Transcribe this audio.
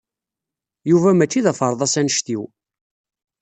Yuba mačči d aferḍas anect-iw.